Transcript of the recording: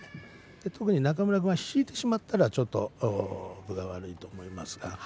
中村君が引いてしまったらちょっと分が悪いと思います。